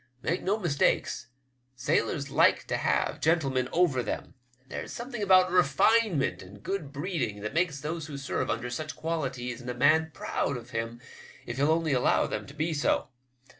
Make no mistake, sailors like to have gentlemen over them. There's a something about refine ment and good breeding that makes those who serve under such qualities in a man proud of him if he'll only allow them to be so.